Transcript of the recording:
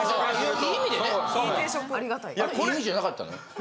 良い意味じゃなかったの？